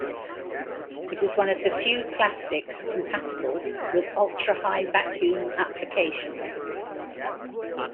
It is one of the few plastics compatible with ultra-high vacuum applications.